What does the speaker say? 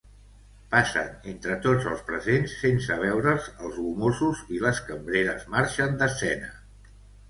Passen entre tots els presents, sense veure'ls, els gomosos i les cambreres marxen d'escena.